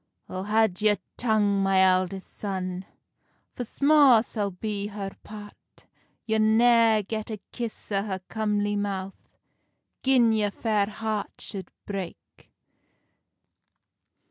"O had your tongue, my eldest son, For sma sal be her part; You'll nae get a kiss o her comely mouth Gin your very fair heart should break."